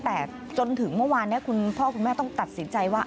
แต่จนถึงเมื่อวานนี้คุณพ่อคุณแม่ต้องตัดสินใจว่า